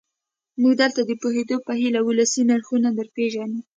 موږ دلته د پوهېدو په هیله ولسي نرخونه درپېژنو.